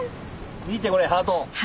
見てこれハート。